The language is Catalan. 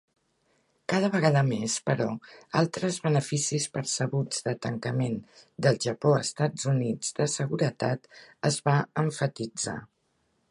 Cada vegada més, però, altres beneficis percebuts de tancament del Japó-Estats Units de seguretat es va emfatitzar.